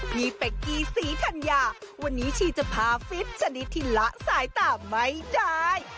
เป๊กกี้ศรีธัญญาวันนี้ชีจะพาฟิตชนิดที่ละสายตาไม่ได้